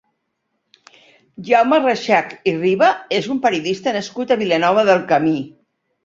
Jaume Reixach i Riba és un periodista nascut a Vilanova del Camí.